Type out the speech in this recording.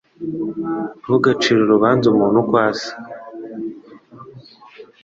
Ntugacire urubanza umuntu uko asa